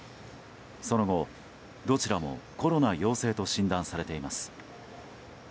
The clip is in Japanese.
その後、どちらもコロナ陽性と診断されています。